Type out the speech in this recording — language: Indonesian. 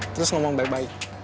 terus ngomong baik baik